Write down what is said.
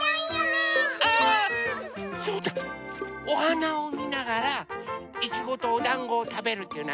おはなをみながらいちごとおだんごをたべるっていうのはどう？